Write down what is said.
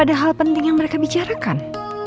ada hal penting yang mereka bicarakan